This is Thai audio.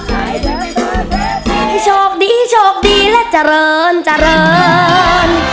ให้โชคดีโชคดีและเจริญเจริญ